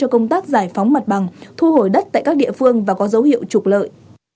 công tác giải phóng mặt bằng thu hồi đất tại các địa phương và có dấu hiệu trục lợi